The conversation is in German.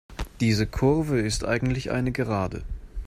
Diese Kurve ist eigentlich eine Gerade.